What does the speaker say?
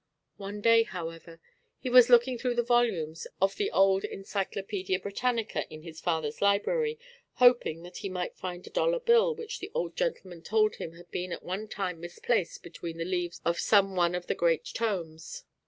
One day, however, he was looking through the volumes of the old Encyclopædia Britannica in his father's library, hoping that he might find a dollar bill which the Old Gentleman told him had been at one time misplaced between the leaves of some one of the great tomes.